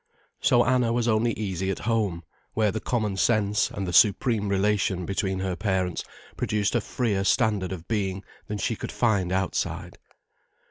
So Anna was only easy at home, where the common sense and the supreme relation between her parents produced a freer standard of being than she could find outside.